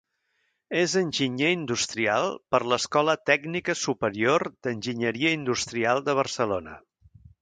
És enginyer industrial per l'Escola Tècnica Superior d'Enginyeria Industrial de Barcelona.